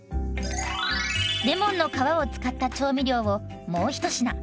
レモンの皮を使った調味料をもう一品。